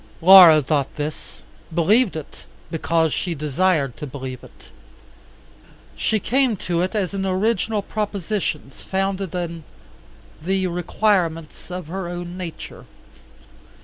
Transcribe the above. Laura thought this, believed it; because she desired to believe it. She came to it as an original proposition founded on the requirements of her own nature.